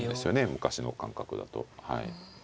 昔の感覚だと。